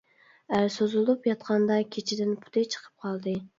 ئەر سوزۇلۇپ ياتقاندا كېچىدىن پۇتى چىقىپ قالدى.